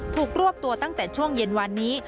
รวบตัวตั้งแต่ช่วงเย็นวันนี้